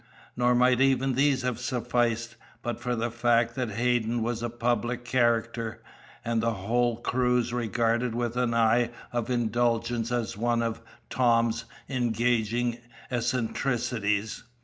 Nor might even these have sufficed, but for the fact that Hadden was a public character, and the whole cruise regarded with an eye of indulgence as one of Tom's engaging eccentricities.